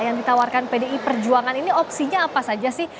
yang ditawarkan pdi perjuangan ini opsinya apa saja sih